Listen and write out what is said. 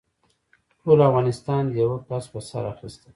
ټول افغانستان دې يوه کس په سر اخيستی.